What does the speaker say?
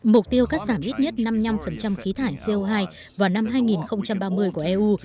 mục tiêu cắt giảm ít nhất năm mươi năm khí thải co hai vào năm hai nghìn ba mươi của eu